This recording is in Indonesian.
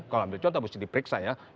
kalau ambil contoh mesti diperiksa ya